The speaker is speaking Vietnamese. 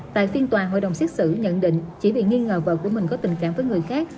tại phiên tòa hội đồng xét xử nhận định chỉ vì nghi ngờ vợ của mình có tình cảm với người khác